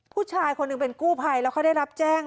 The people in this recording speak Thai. ผู้ชายคนหนึ่งเป็นกู้ภัยแล้วเขาได้รับแจ้ง